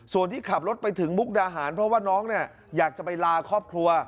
ส่วนที่ขับรถไปถึงมุกดาหารเพราะว่าน้องเนี่ยอยากจะไปลาครอบครัว